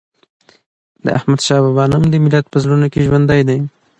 د احمد شاه بابا نوم د ملت په زړونو کې ژوندی دی.